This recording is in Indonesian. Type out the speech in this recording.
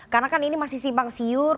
karena kan ini masih simpang siur